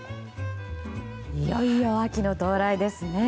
いよいよ秋の到来ですね。